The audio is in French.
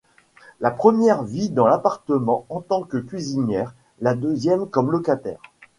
La première vit dans l'appartement en tant que cuisinière, la deuxième comme locataire.